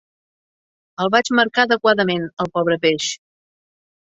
El vaig marcar adequadament, el pobre peix.